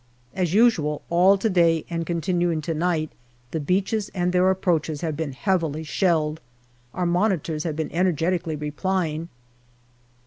As usual, all to day and continuing to night, the beaches and their approaches have been heavily shelled. Our Monitors have been energetically replying.